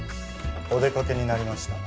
お出かけになりました。